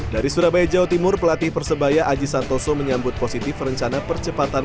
dari surabaya jawa timur pelatih persebaya aji santoso menyambut positif rencana percepatan